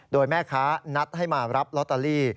โดยแม่ค้านัดให้มารับลอตเตอรี่